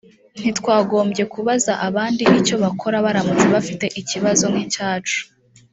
ntitwagombye kubaza abandi icyo bakora baramutse bafite ikibazo nk icyacu